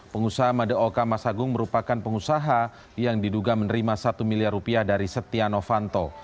pengusaha madaoka mas agung merupakan pengusaha yang diduga menerima satu miliar rupiah dari setia novanto